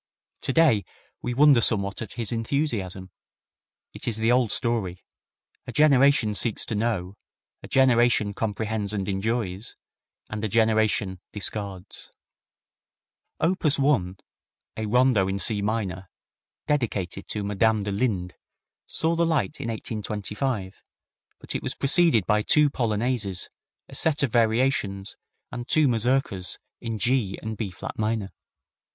Today we wonder somewhat at his enthusiasm. It is the old story a generation seeks to know, a generation comprehends and enjoys, and a generation discards. Opus 1, a Rondo in C minor, dedicated to Madame de Linde, saw the light in 1825, but it was preceded by two polonaises, a set of variations, and two mazurkas in G and B flat major.